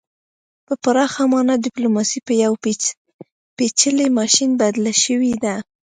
په پراخه مانا ډیپلوماسي په یو پیچلي ماشین بدله شوې ده